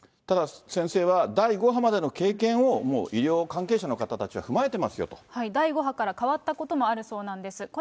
ただ、先生は第５波までの経験を、医療関係者の方たちは踏ま第５波から変わったこともあるそうなんです。